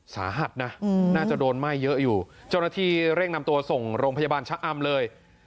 สาหัสนะน่าจะโดนไหม้เยอะอยู่เจ้าหน้าที่เร่งนำตัวส่งโรงพยาบาลชะอำเลย